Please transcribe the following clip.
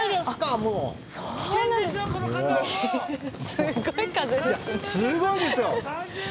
すごい風ですね。